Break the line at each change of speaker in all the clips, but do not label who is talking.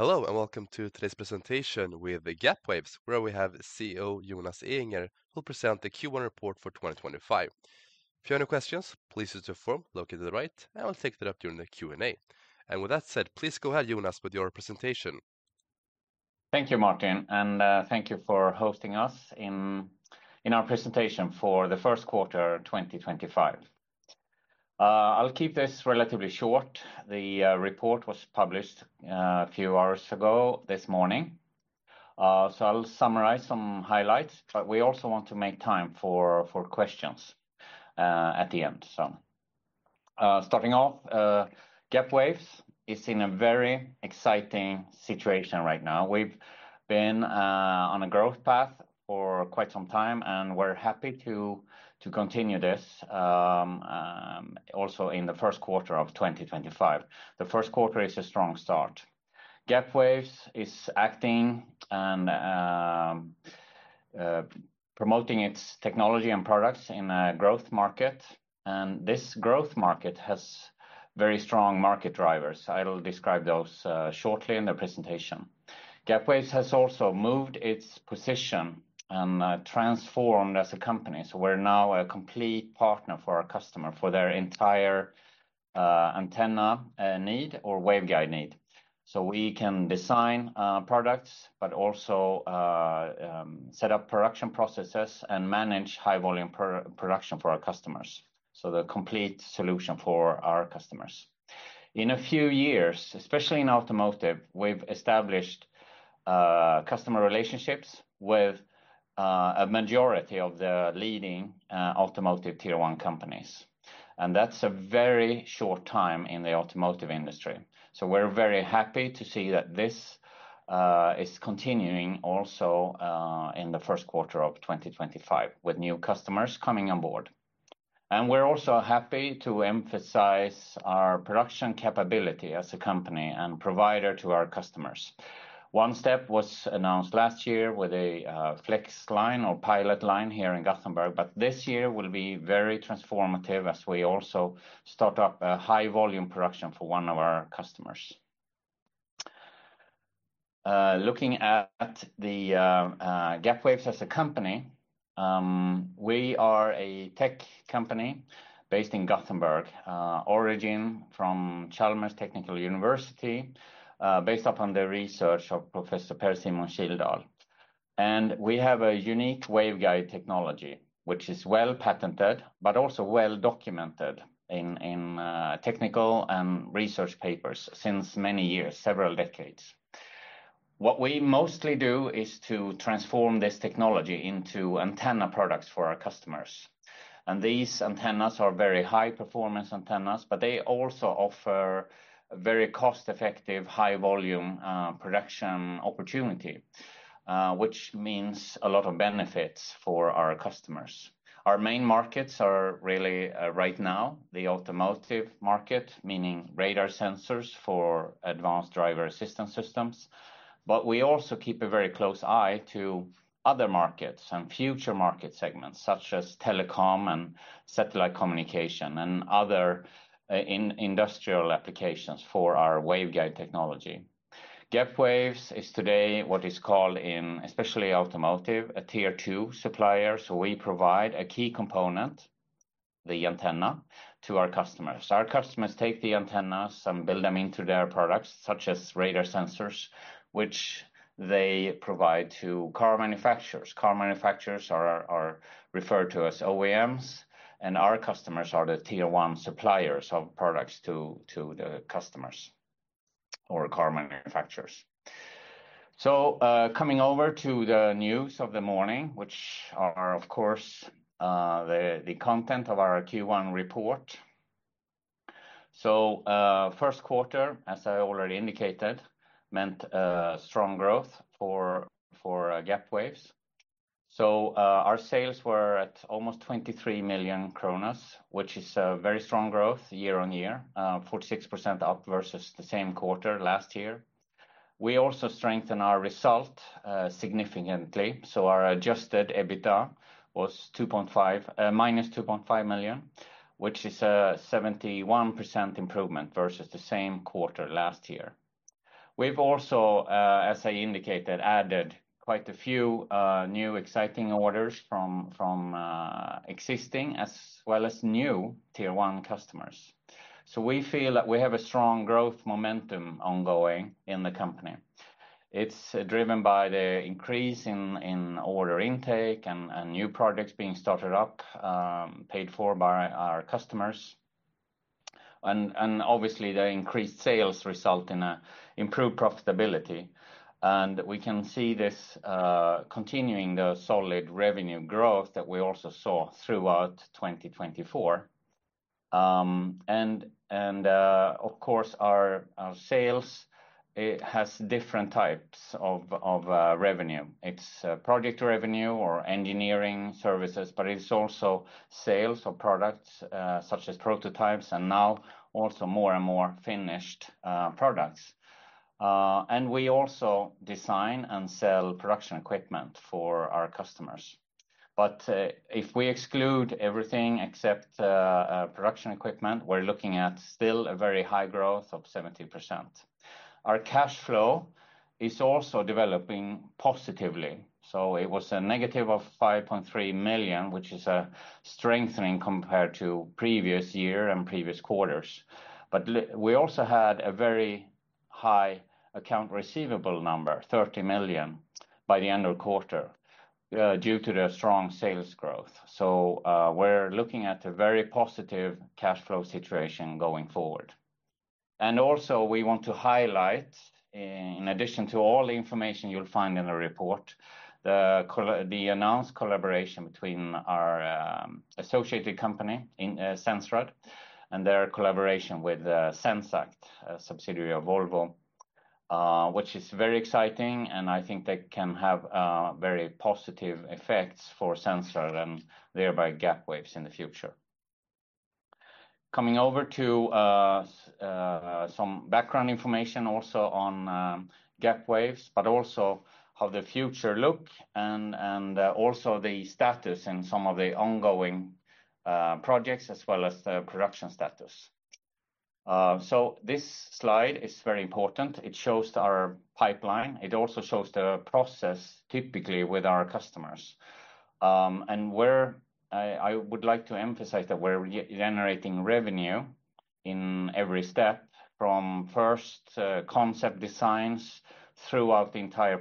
Hello and welcome to today's presentation with Gapwaves, where we have CEO Jonas Ehinger who'll present the Q1 Report for 2025. If you have any questions, please use the form located to the right, and we'll take that up during the Q&A. With that said, please go ahead, Jonas, with your presentation.
Thank you, Martin, and thank you for hosting us in our presentation for the First Quarter 2025. I'll keep this relatively short. The report was published a few hours ago this morning, so I'll summarize some highlights, but we also want to make time for questions at the end. Starting off, Gapwaves is in a very exciting situation right now. We've been on a growth path for quite some time, and we're happy to continue this also in the first quarter of 2025. The first quarter is a strong start. Gapwaves is acting and promoting its technology and products in a growth market, and this growth market has very strong market drivers. I'll describe those shortly in the presentation. Gapwaves has also moved its position and transformed as a company, so we're now a complete partner for our customer for their entire antenna need or waveguide need. We can design products, but also set up production processes and manage high-volume production for our customers. The complete solution for our customers. In a few years, especially in automotive, we've established customer relationships with a majority of the leading automotive Tier one companies, and that's a very short time in the automotive industry. We're very happy to see that this is continuing also in the first quarter of 2025 with new customers coming on board. We're also happy to emphasize our production capability as a company and provider to our customers. One step was announced last year with a FlexLine or pilot line here in Gothenburg. This year will be very transformative as we also start up a high-volume production for one of our customers. Looking at Gapwaves as a company, we are a tech company based in Gothenburg, origin from Chalmers University of Technology, based upon the research of Professor Per-Simon Kildal. We have a unique waveguide technology, which is well patented, but also well documented in technical and research papers since many years, several decades. What we mostly do is to transform this technology into antenna products for our customers. These antennas are very high-performance antennas, but they also offer a very cost-effective, high-volume production opportunity, which means a lot of benefits for our customers. Our main markets are really right now the automotive market, meaning radar sensors for advanced driver assistance systems, but we also keep a very close eye to other markets and future market segments such as telecom and satellite communication and other industrial applications for our waveguide technology. Gapwaves is today what is called in especially automotive a Tier two supplier, so we provide a key component, the antenna, to our customers. Our customers take the antennas and build them into their products such as radar sensors, which they provide to car manufacturers. Car manufacturers are referred to as OEMs, and our customers are the Tier one suppliers of products to the customers or car manufacturers. Coming over to the news of the morning, which are of course the content of our Q1 report. First quarter, as I already indicated, meant strong growth for Gapwaves. Our sales were at almost 23 million, which is a very strong growth year- on-year, 46% up versus the same quarter last year. We also strengthened our result significantly, so our adjusted EBITDA was -2.5 million, which is a 71% improvement versus the same quarter last year. We've also, as I indicated, added quite a few new exciting orders from existing as well as new Tier one customers. We feel that we have a strong growth momentum ongoing in the company. It's driven by the increase in order intake and new projects being started up, paid for by our customers. Obviously, the increased sales result in an improved profitability, and we can see this continuing the solid revenue growth that we also saw throughout 2024. Of course, our sales has different types of revenue. It's project revenue or engineering services, but it's also sales of products such as prototypes and now also more and more finished products. We also design and sell production equipment for our customers. If we exclude everything except production equipment, we're looking at still a very high growth of 70%. Our cash flow is also developing positively. It was a -5.3 million, which is a strengthening compared to previous year and previous quarters. We also had a very high account receivable number, 30 million by the end of quarter due to the strong sales growth. We are looking at a very positive cash flow situation going forward. We also want to highlight, in addition to all the information you'll find in the report, the announced collaboration between our associated company, Sensrad, and their collaboration with Zenseact, a subsidiary of Volvo, which is very exciting, and I think they can have very positive effects for Sensrad and thereby Gapwaves in the future. Coming over to some background information also on Gapwaves, but also how the future looks and also the status in some of the ongoing projects as well as the production status. This slide is very important. It shows our pipeline. It also shows the process typically with our customers. I would like to emphasize that we're generating revenue in every step from first concept designs throughout the entire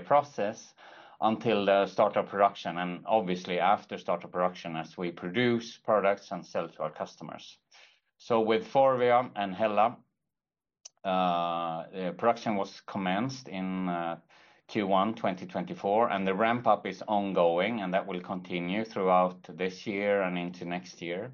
process until the start of production and obviously after start of production as we produce products and sell to our customers. With Forvia and Hella, production was commenced in Q1 2024, and the ramp-up is ongoing, and that will continue throughout this year and into next year.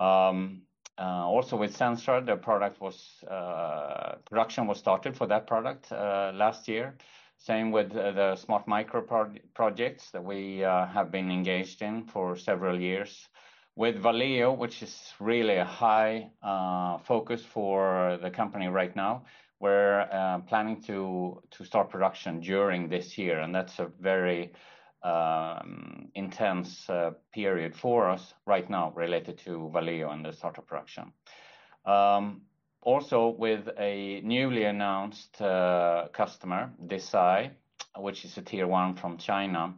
Also with Sensrud, the production was started for that product last year. Same with the Smartmicro projects that we have been engaged in for several years. With Valeo, which is really a high focus for the company right now, we're planning to start production during this year, and that's a very intense period for us right now related to Valeo and the start of production. Also with a newly announced customer, Desay, which is a Tier one from China,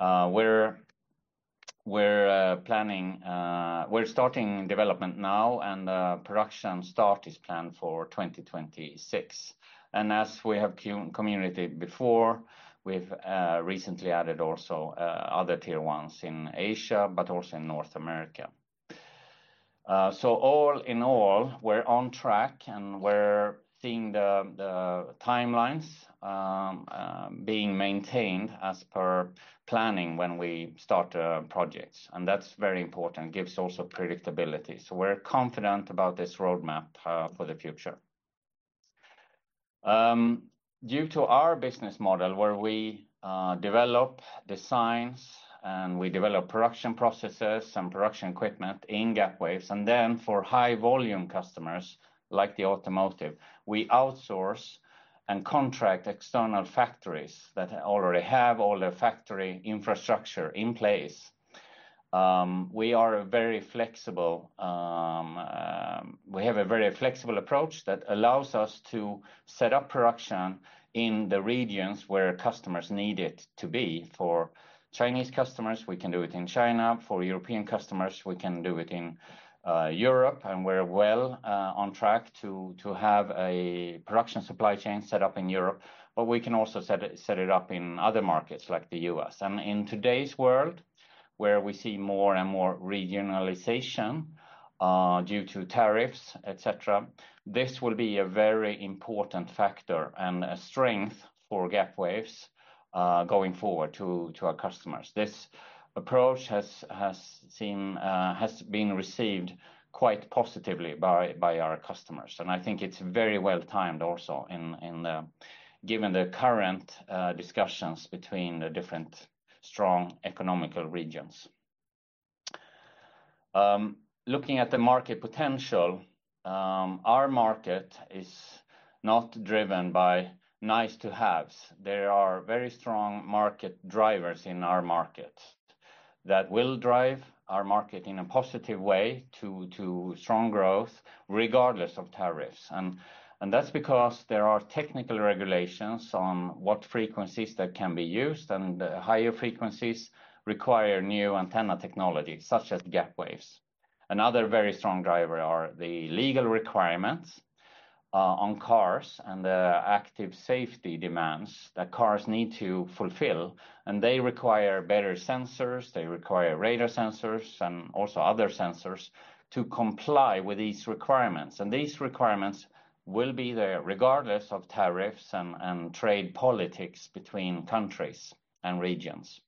we're starting development now, and production start is planned for 2026. As we have communicated before, we've recently added also other Tier ones in Asia, but also in North America. All in all, we're on track, and we're seeing the timelines being maintained as per planning when we start the projects, and that's very important. It gives also predictability. We're confident about this roadmap for the future. Due to our business model where we develop designs and we develop production processes and production equipment in Gapwaves, and then for high-volume customers like the automotive, we outsource and contract external factories that already have all the factory infrastructure in place. We are very flexible. We have a very flexible approach that allows us to set up production in the regions where customers need it to be. For Chinese customers, we can do it in China. For European customers, we can do it in Europe, and we're well on track to have a production supply chain set up in Europe, but we can also set it up in other markets like the U.S. In today's world, where we see more and more regionalization due to tariffs, etc., this will be a very important factor and a strength for Gapwaves going forward to our customers. This approach has been received quite positively by our customers, and I think it's very well timed also given the current discussions between the different strong economical regions. Looking at the market potential, our market is not driven by nice-to-haves. There are very strong market drivers in our market that will drive our market in a positive way to strong growth regardless of tariffs. That is because there are technical regulations on what frequencies that can be used, and the higher frequencies require new antenna technology such as Gapwaves. Another very strong driver are the legal requirements on cars and the active safety demands that cars need to fulfill, and they require better sensors. They require radar sensors and also other sensors to comply with these requirements. These requirements will be there regardless of tariffs and trade politics between countries and regions.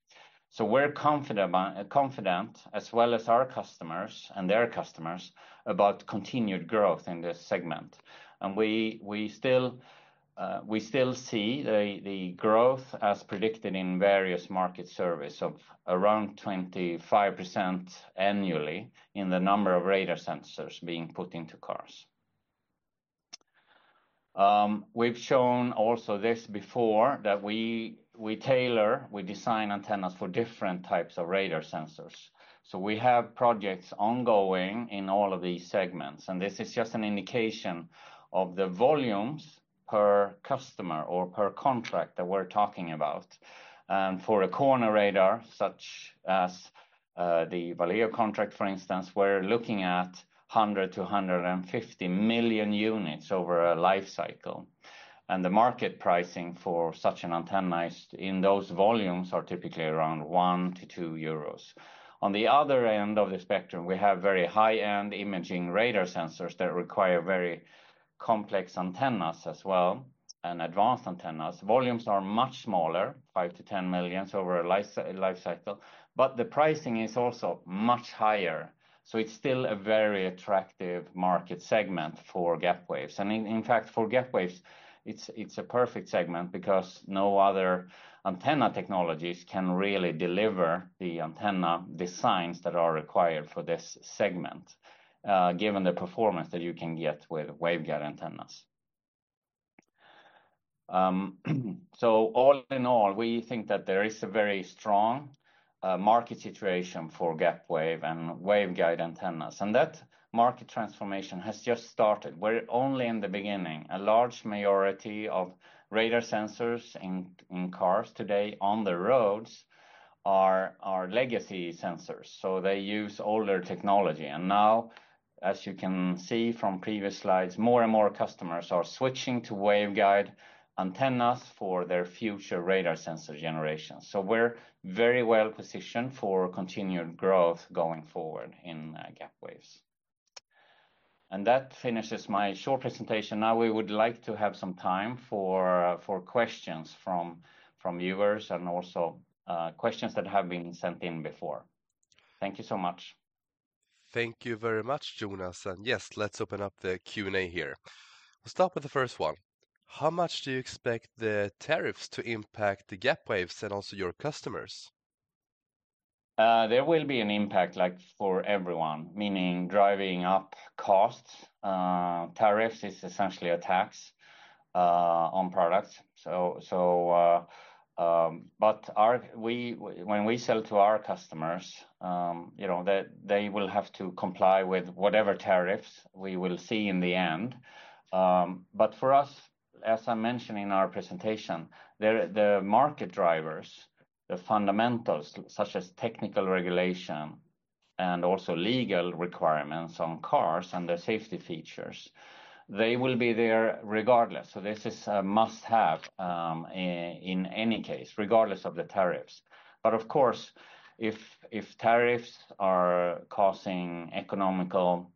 We are confident as well as our customers and their customers about continued growth in this segment. We still see the growth as predicted in various market surveys of around 25% annually in the number of radar sensors being put into cars. We've shown also this before that we tailor, we design antennas for different types of radar sensors. We have projects ongoing in all of these segments, and this is just an indication of the volumes per customer or per contract that we're talking about. For a corner radar such as the Valeo contract, for instance, we're looking at 100-150 million units over a life cycle. The market pricing for such an antenna in those volumes is typically around 1-2 euros. On the other end of the spectrum, we have very high-end imaging radar sensors that require very complex antennas as well and advanced antennas. Volumes are much smaller, 5-10 million over a life cycle, but the pricing is also much higher. It is still a very attractive market segment for Gapwaves. In fact, for Gapwaves, it's a perfect segment because no other antenna technologies can really deliver the antenna designs that are required for this segment given the performance that you can get with waveguide antennas. All in all, we think that there is a very strong market situation for Gapwaves and waveguide antennas, and that market transformation has just started. We're only in the beginning. A large majority of radar sensors in cars today on the roads are legacy sensors, so they use older technology. As you can see from previous slides, more and more customers are switching to waveguide antennas for their future radar sensor generation. We're very well positioned for continued growth going forward in Gapwaves. That finishes my short presentation. Now we would like to have some time for questions from viewers and also questions that have been sent in before. Thank you so much.
Thank you very much, Jonas. Yes, let's open up the Q&A here. We'll start with the first one. How much do you expect the tariffs to impact Gapwaves and also your customers?
There will be an impact for everyone, meaning driving up costs. Tariffs is essentially a tax on products. When we sell to our customers, they will have to comply with whatever tariffs we will see in the end. For us, as I mentioned in our presentation, the market drivers, the fundamentals such as technical regulation and also legal requirements on cars and the safety features, they will be there regardless. This is a must-have in any case, regardless of the tariffs. Of course, if tariffs are causing economical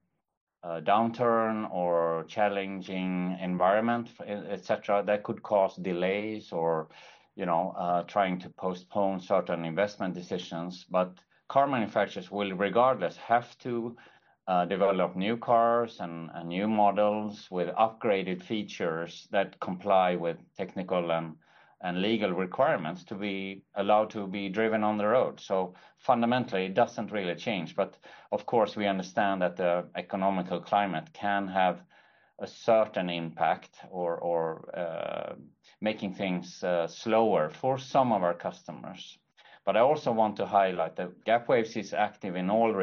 downturn or challenging environment, etc., that could cause delays or trying to postpone certain investment decisions. Car manufacturers will regardless have to develop new cars and new models with upgraded features that comply with technical and legal requirements to be allowed to be driven on the road. Fundamentally, it doesn't really change. Of course, we understand that the economical climate can have a certain impact or make things slower for some of our customers. I also want to highlight that Gapwaves is active in all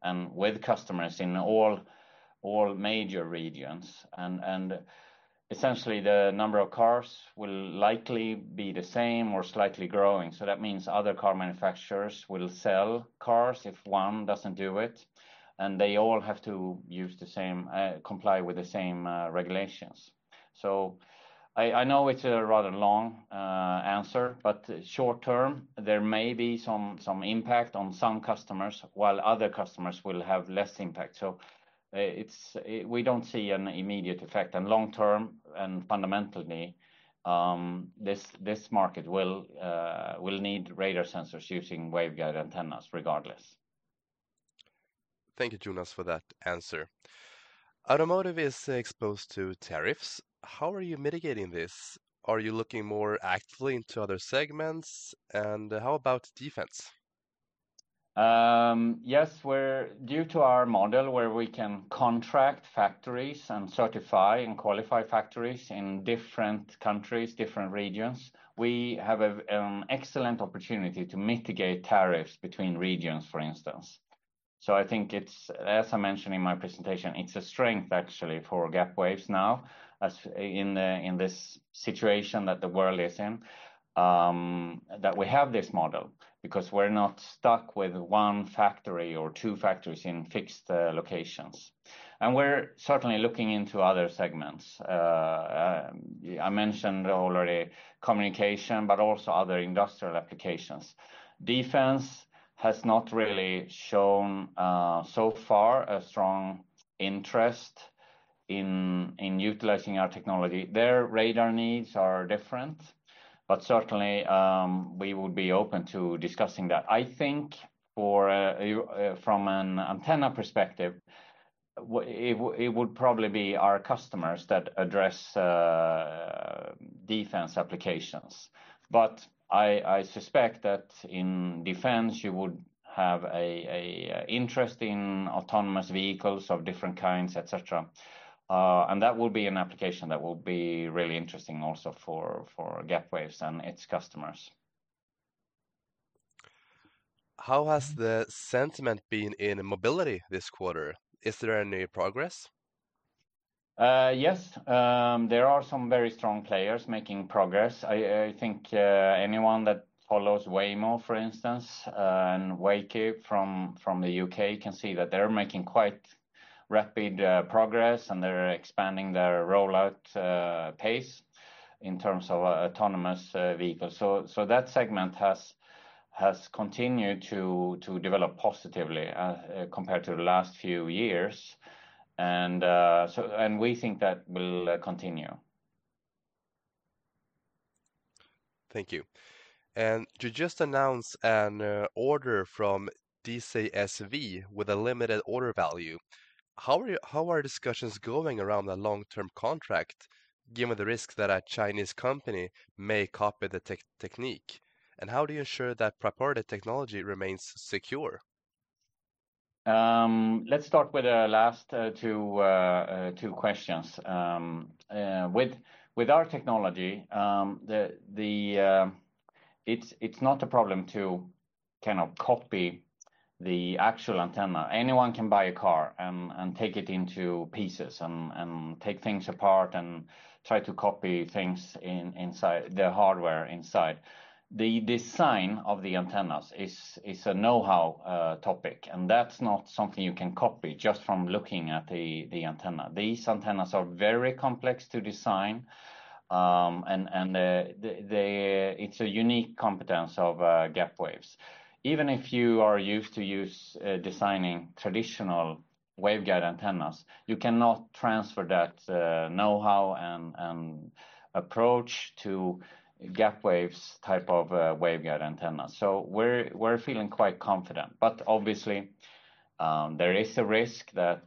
regions and with customers in all major regions. Essentially, the number of cars will likely be the same or slightly growing. That means other car manufacturers will sell cars if one doesn't do it, and they all have to comply with the same regulations. I know it's a rather long answer, but short term, there may be some impact on some customers while other customers will have less impact. We do not see an immediate effect. Long term and fundamentally, this market will need radar sensors using waveguide antennas regardless.
Thank you, Jonas, for that answer. Automotive is exposed to tariffs. How are you mitigating this? Are you looking more actively into other segments? How about defense?
Yes, due to our model where we can contract factories and certify and qualify factories in different countries, different regions, we have an excellent opportunity to mitigate tariffs between regions, for instance. I think, as I mentioned in my presentation, it is a strength actually for Gapwaves now in this situation that the world is in that we have this model because we are not stuck with one factory or two factories in fixed locations. We are certainly looking into other segments. I mentioned already communication, but also other industrial applications. Defense has not really shown so far a strong interest in utilizing our technology. Their radar needs are different, but certainly we would be open to discussing that. I think from an antenna perspective, it would probably be our customers that address defense applications. I suspect that in defense, you would have an interest in autonomous vehicles of different kinds, etc. That would be an application that would be really interesting also for Gapwaves and its customers.
How has the sentiment been in mobility this quarter? Is there any progress?
Yes, there are some very strong players making progress. I think anyone that follows Waymo, for instance, and Wayve from the U.K. can see that they're making quite rapid progress, and they're expanding their rollout pace in terms of autonomous vehicles. That segment has continued to develop positively compared to the last few years, and we think that will continue.
Thank you. You just announced an order from Desay SV with a limited order value. How are discussions going around a long-term contract given the risk that a Chinese company may copy the technique? How do you ensure that proprietary technology remains secure?
Let's start with the last two questions. With our technology, it's not a problem to kind of copy the actual antenna. Anyone can buy a car and take it into pieces and take things apart and try to copy things inside, the hardware inside. The design of the antennas is a know-how topic, and that's not something you can copy just from looking at the antenna. These antennas are very complex to design, and it's a unique competence of Gapwaves. Even if you are used to designing traditional waveguide antennas, you cannot transfer that know-how and approach to Gapwaves type of waveguide antennas. We are feeling quite confident. Obviously, there is a risk that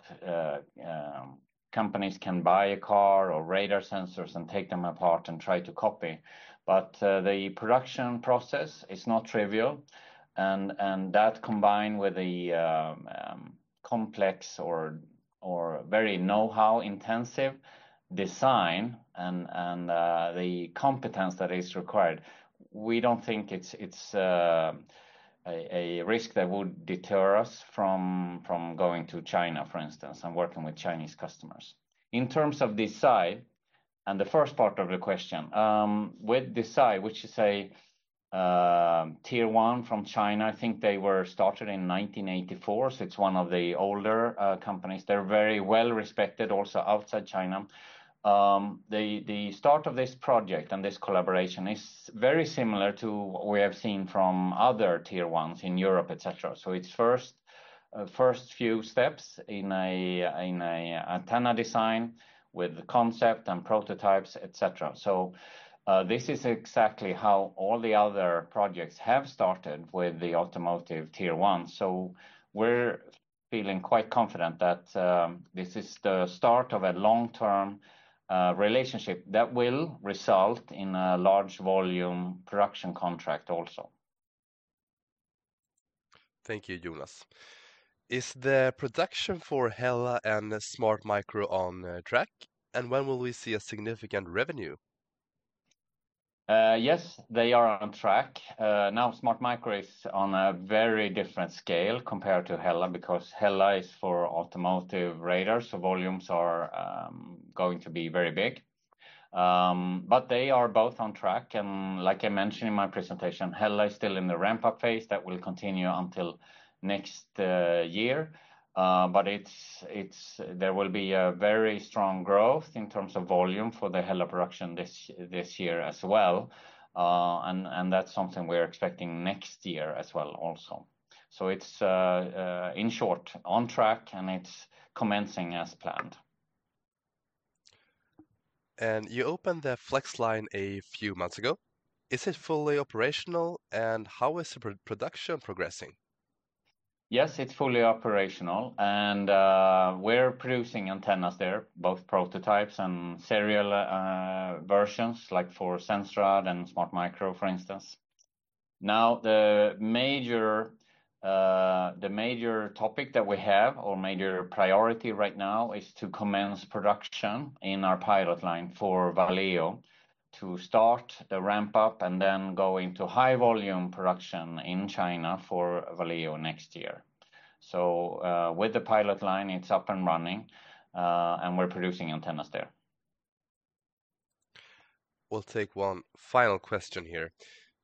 companies can buy a car or radar sensors and take them apart and try to copy. The production process is not trivial. That combined with the complex or very know-how intensive design and the competence that is required, we do not think it is a risk that would deter us from going to China, for instance, and working with Chinese customers. In terms of Desay, and the first part of the question, with Desay, which is a Tier one from China, I think they were started in 1984, so it is one of the older companies. They are very well respected also outside China. The start of this project and this collaboration is very similar to what we have seen from other Tier ones in Europe, etc. It is first few steps in an antenna design with concept and prototypes, etc. This is exactly how all the other projects have started with the automotive Tier one. We are feeling quite confident that this is the start of a long-term relationship that will result in a large volume production contract also.
Thank you, Jonas. Is the production for Hella and Smartmicro on track? And when will we see a significant revenue?
Yes, they are on track. Now, Smartmicro is on a very different scale compared to Hella because Hella is for automotive radar, so volumes are going to be very big. They are both on track. Like I mentioned in my presentation, Hella is still in the ramp-up phase that will continue until next year. There will be a very strong growth in terms of volume for the Hella production this year as well. That is something we're expecting next year as well also. It is, in short, on track, and it's commencing as planned.
You opened the FlexLine a few months ago. Is it fully operational, and how is production progressing?
Yes, it's fully operational. We're producing antennas there, both prototypes and serial versions like for Sensrad and Smartmicro, for instance. Now, the major topic that we have or major priority right now is to commence production in our pilot line for Valeo to start the ramp-up and then go into high volume production in China for Valeo next year. With the pilot line, it's up and running, and we're producing antennas there.
We'll take one final question here.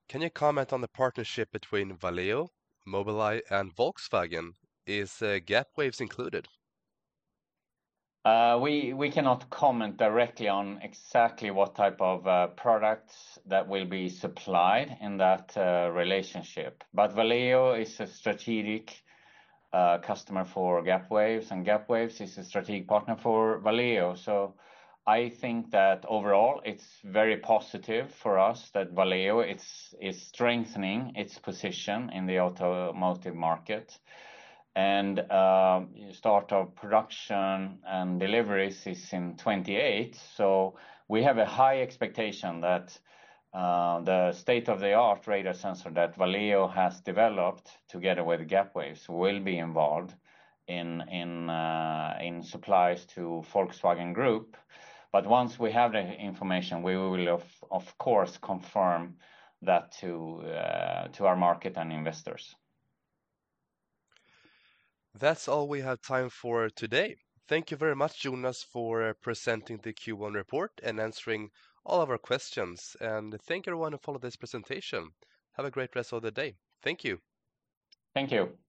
Can you comment on the partnership between Valeo, Mobileye, and Volkswagen? Is Gapwaves included?
We cannot comment directly on exactly what type of products that will be supplied in that relationship. Valeo is a strategic customer for Gapwaves, and Gapwaves is a strategic partner for Valeo. I think that overall, it's very positive for us that Valeo is strengthening its position in the automotive market. Start of production and deliveries is in 2028. We have a high expectation that the state-of-the-art radar sensor that Valeo has developed together with Gapwaves will be involved in supplies to Volkswagen Group. Once we have the information, we will, of course, confirm that to our market and investors.
That's all we have time for today. Thank you very much, Jonas, for presenting the Q1 Report and answering all of our questions. Thank everyone who followed this presentation. Have a great rest of the day. Thank you.
Thank you.